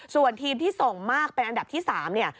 ส่วนทีมที่ส่งมากเป็นอันดับที่๓เนี่ย